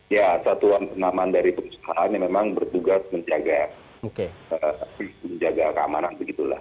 ya satuan penaman dari perusahaan yang memang bertugas menjaga keamanan begitulah